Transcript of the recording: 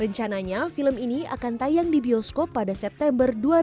rencananya film ini akan tayang di bioskop pada september dua ribu delapan belas mendatang